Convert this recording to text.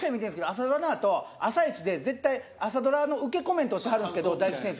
朝ドラのあとあさイチで絶対朝ドラの受けコメントしはるんですけど大吉先生。